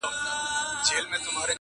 لېوه ږغ کړه فیله ولي په ځغستا یې٫